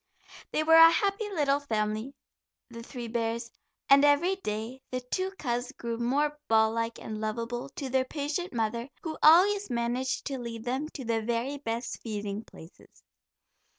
They were a happy little family, the three bears, and every day the two cubs grew more ball like and lovable to their patient mother, who always managed to lead them to the very best feeding places.